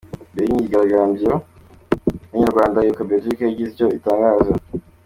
Mbere y’imyigaragamyo y’Abanyarwanda, Ibuka-Belgique yagize icyo itangaza